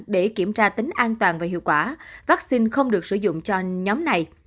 để kiểm tra tính an toàn và hiệu quả vaccine không được sử dụng cho nhóm này